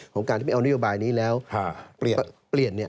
ของการที่ไปเอานโยบายนี้แล้วเปลี่ยน